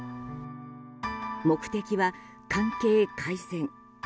目的は関係改善。